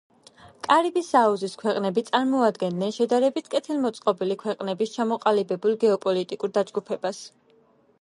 კარიბის აუზის ქვეყნები წარმოადგენენ შედარებით კეთილმოწყობილი ქვეყნების ჩამოყალიბებულ გეოპოლიტიკურ დაჯგუფებას.